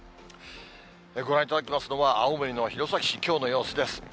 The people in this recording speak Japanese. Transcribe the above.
ご覧いただきますのは青森の弘前市、きょうの様子です。